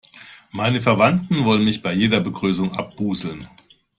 Meine Verwandten wollen mich bei jeder Begrüßung abbusseln.